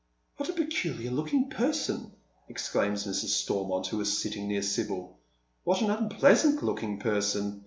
" What a peculiar looking person 1 " exclaims Mrs. Stormont, who is sitting near Sibyl. "What an unpleasant looking person